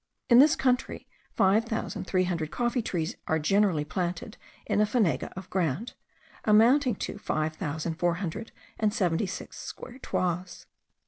In this country five thousand three hundred coffee trees are generally planted in a fanega of ground, amounting to five thousand four hundred and seventy six square toises.